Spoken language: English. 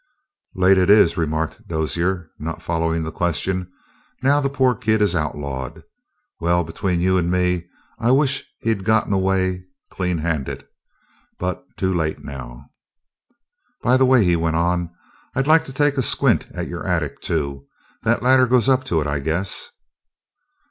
"Late it is," remarked Dozier, not following the question. "Now the poor kid is outlawed. Well, between you and me, I wish he'd gotten away clean handed. But too late now. "By the way," he went on, "I'd like to take a squint at your attic, too. That ladder goes up to it, I guess."